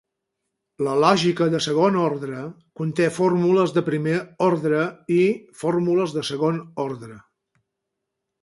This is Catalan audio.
La lògica de segon ordre conté fórmules de primer ordre i fórmules de segon ordre.